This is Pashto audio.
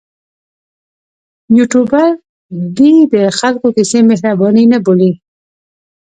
یوټوبر دې د خلکو کیسې مهرباني نه بولي.